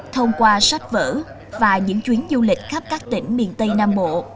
thông qua sách vở và những chuyến du lịch khắp các tỉnh miền tây nam bộ